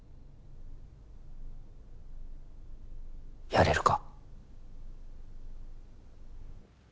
やれるか？